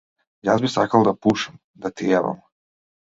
Јас би сакал да пушам, да ти ебам.